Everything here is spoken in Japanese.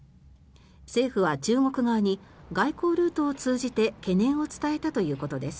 政府は中国側に外交ルートを通じて懸念を伝えたということです。